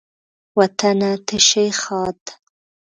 وطنه ته شي ښاد